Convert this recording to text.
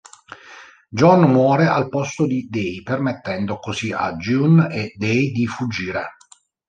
John muore al posto di Day, permettendo così a June e Day di fuggire.